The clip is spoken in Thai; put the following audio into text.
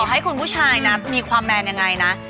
ให้คุณผู้ชายนะมีความแมนยังไงนะ